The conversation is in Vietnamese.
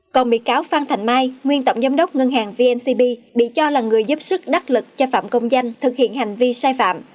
còn bị cáo phan thành mai nguyên tổng giám đốc ngân hàng vncb bị cho là người giúp sức đắc lực cho phạm công danh thực hiện hành vi sai phạm